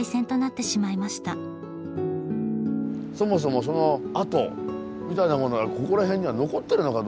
そもそもその跡みたいなものがここら辺には残ってるのかどうか。